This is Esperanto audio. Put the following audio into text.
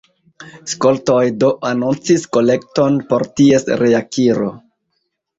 Skoltoj do anoncis kolekton por ties reakiro.